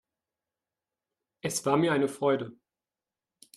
Es war mir eine Freude.